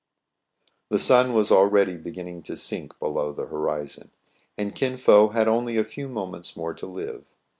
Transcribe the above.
The sun was already beginning to sink below the horizon, and Kin Fo had only a few moments more to live.